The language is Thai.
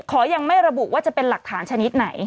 ขอยังไม่ระบุว่าจะเป็นหลักฐานชนิดไหน